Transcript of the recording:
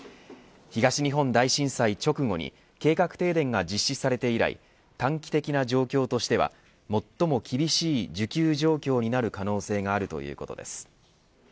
東日本大震災直後に計画停電が実施されて以来短期的な状況としては最も厳しい需給状況になる可能性があるということです。